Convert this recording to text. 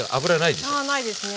あないですね。